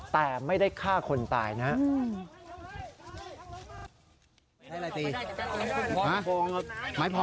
แต่ไม่ได้ฆ่าคนตายนะครับ